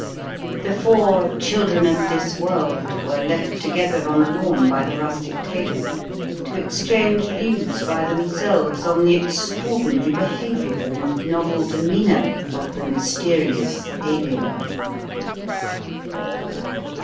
The four children of this world were left together on the lawn by the rustic table, to exchange views by themselves on the extraordinary behaviour and novel demeanour of the mysterious Alien.